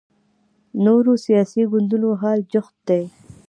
نورو سیاسي ګوندونو حال جوت دی